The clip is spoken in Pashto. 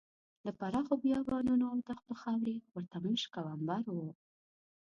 د پراخو بیابانونو او دښتونو خاورې ورته مشک او عنبر وو.